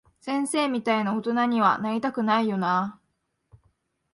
先生みたいな大人には、なりたくないよなぁ。